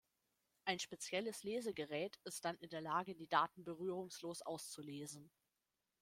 Ein spezielles Lesegerät ist dann in der Lage, die Daten berührungslos auszulesen.